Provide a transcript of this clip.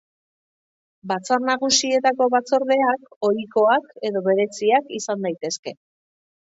Batzar Nagusietako Batzordeak ohikoak edo bereziak izan daitezke.